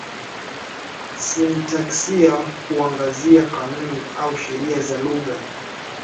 Sintaksia huangazia kanuni au sheria za lugha.